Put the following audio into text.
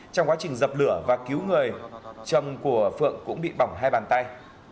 trong quá trình dập lửa và cứu người chồng của phượng cũng bị bỏng hai bàn tay